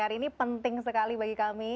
hari ini penting sekali bagi kami